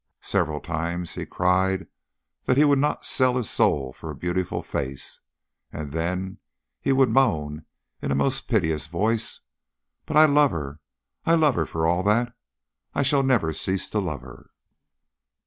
Several times he cried that he would not sell his soul for a beautiful face, and then he would moan in a most piteous voice, "But I love her I love her for all that; I shall never cease to love her."